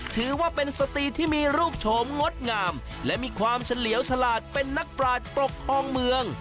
ถือว่าเป็นสตรีที่มีรูปโฉมงดงามและมีความเฉลียวฉลาดเป็นนักปราศปกครองเมือง